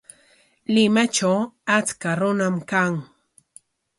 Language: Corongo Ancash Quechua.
Limatraw achka runam kan.